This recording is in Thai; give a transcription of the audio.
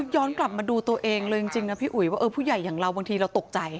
ย้อนกลับมาดูตัวเองเลยจริงนะพี่อุ๋ยว่าผู้ใหญ่อย่างเราบางทีเราตกใจ